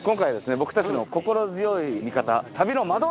僕たちの心強い味方。